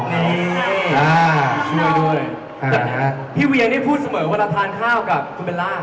นี่ช่วยด้วยพี่เวียนี่พูดเสมอเวลาทานข้าวกับคุณเบลล่า